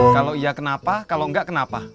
kalau iya kenapa kalau enggak kenapa